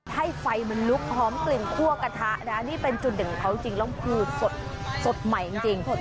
ให้ไฟมันลุกหอมกลิ่นคั่วกระทะนะนี่เป็นจุดเด่นของเขาจริงแล้วคือสดใหม่จริง